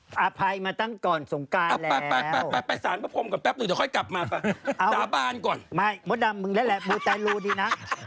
สาบานมากว่าไปเข้าคนอื่น